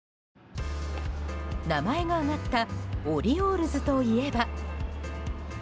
名前が挙がったオリオールズといえば。